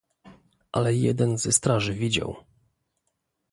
"Ale jeden ze straży widział."